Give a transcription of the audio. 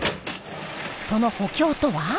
その補強とは？